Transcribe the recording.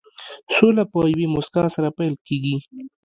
سوله په یوې موسکا سره پيل کېږي.